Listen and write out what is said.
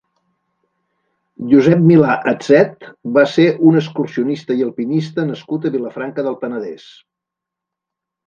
Josep Milà Atset va ser un excursionista i alpinista nascut a Vilafranca del Penedès.